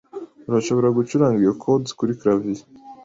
Urashobora gucuranga iyo chord kuri clavier?